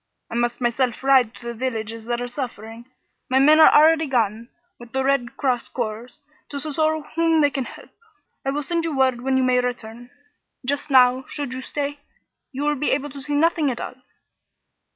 I must myself ride to the villages that are suffering. My men are already gone, with the Red Cross corps, to succor whom they can. I will send to you word when you may return. Just now, should you stay, you will be able to see nothing at all."